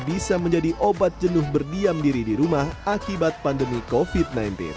bisa menjadi obat jenuh berdiam diri di rumah akibat pandemi covid sembilan belas